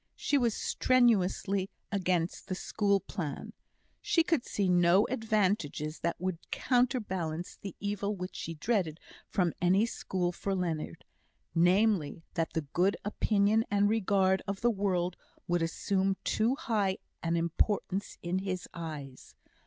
She was strenuously against the school plan. She could see no advantages that would counterbalance the evil which she dreaded from any school for Leonard; namely, that the good opinion and regard of the world would assume too high an importance in his eyes.